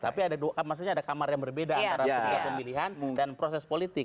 tapi ada dua maksudnya ada kamar yang berbeda antara pemilihan dan proses politik